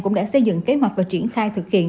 cũng đã xây dựng kế hoạch và triển khai thực hiện